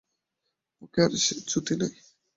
মুখে আর সে জ্যোতি নাই।